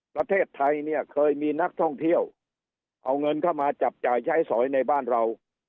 ประเทศไทยเนี่ยเคยมีนักท่องเที่ยวเอาเงินเข้ามาจับจ่ายใช้สอยในบ้านเรา